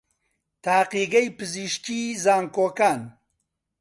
تاقیگەکەی پزیشکیی زانکۆکان